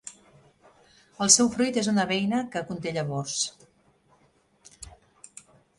El seu fruit és una beina que conté llavors.